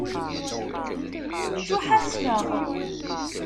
Ttuḥasfeɣ.